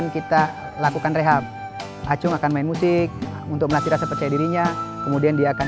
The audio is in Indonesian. kamu kuliah enggak kerja sama seperti kamu jualan